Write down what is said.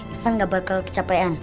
ivan gak bakal kecapean